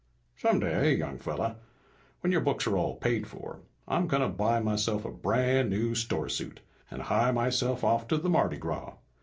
"Someday, young fella, when your books are all paid for, I'm gonna buy myself a brand new store suit, and hie myself off to the Mardi Gras.